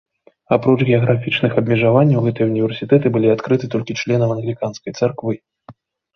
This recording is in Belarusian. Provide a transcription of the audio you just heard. Апроч геаграфічных абмежаванняў гэтыя ўніверсітэты былі адкрыты толькі членам англіканскай царквы.